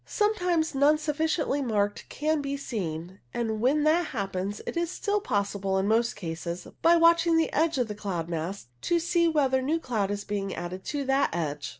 Sometimes none sufficiently marked can be seen, and when that happens it is still possible in most cases, by watching the edge of the cloud mass, to see whether new cloud is being added to that edge.